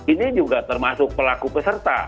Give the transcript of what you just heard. ini juga termasuk pelaku peserta